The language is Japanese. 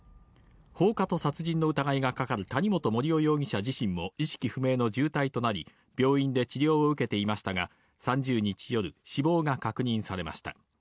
放火と殺人の疑いがかかる谷本盛雄容疑者自身も、意識不明の重体となり、病院で治療を受けていましたが、３０日夜、死亡が確認されました。